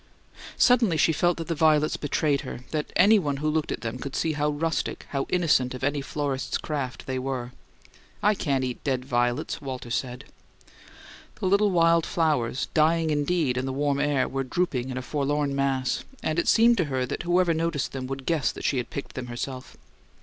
Suddenly she felt that the violets betrayed her; that any one who looked at them could see how rustic, how innocent of any florist's craft they were "I can't eat dead violets," Walter said. The little wild flowers, dying indeed in the warm air, were drooping in a forlorn mass; and it seemed to her that whoever noticed them would guess that she had picked them herself.